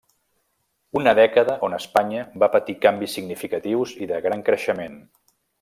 Una dècada on Espanya va patir canvis significatius i de gran creixement.